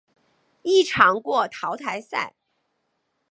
一场过淘汰赛。